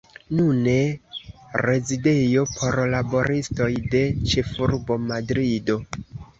Nune rezidejo por laboristoj de ĉefurbo Madrido.